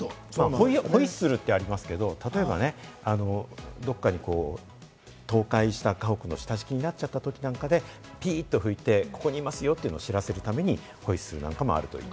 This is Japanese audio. ホイッスルってありますけど、例えばね、どこかに、倒壊した家屋の下敷きになっちゃったときとかに、ピっと吹いて、ここにいますよと知らせるためにホイッスルなんかもあるといい。